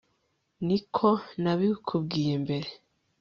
nzi ko nabikubwiye mbere